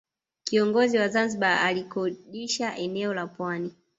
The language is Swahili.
Kiongozi wa Zanzibar alikodisha eneo la pwani